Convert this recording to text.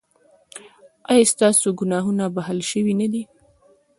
ایا ستاسو ګناهونه بښل شوي نه دي؟